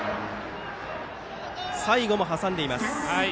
最後も挟んでいきました。